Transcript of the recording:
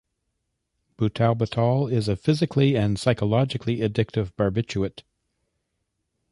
Butalbital is a physically and psychologically addictive barbiturate.